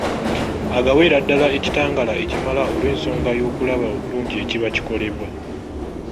Agaweera ddala ekitangaala ekimala olw’ensonga y’okulaba obulungi ekiba kikolebwa.